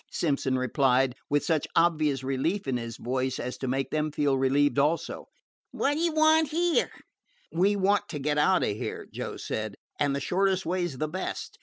Simpson replied, with such obvious relief in his voice as to make them feel relieved also. "Wot d' ye want here?" "We want to get out of here," Joe said, "and the shortest way 's the best.